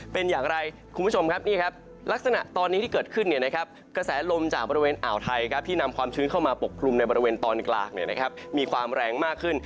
เป็นอย่างไรคุณผู้ชมครับนี่ครับลักษณะตอนนี้ที่เกิดขึ้นกระแสลมจากบริเวณอ่าวไทยที่นำความชื้นเข้ามาปกคลุมในบริเวณตอนกลางมีความแรงมากขึ้น